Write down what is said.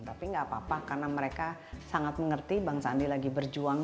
tapi nggak apa apa karena mereka sangat mengerti bang sandi lagi berjuang